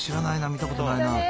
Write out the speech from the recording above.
見たことないな。